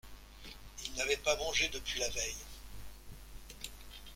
Il n'avait pas mangé depuis la veille.